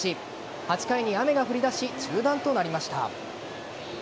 ８回に雨が降り出し中断となりました。